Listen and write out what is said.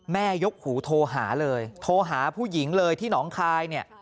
ยกหูโทรหาเลยโทรหาผู้หญิงเลยที่หนองคายเนี่ย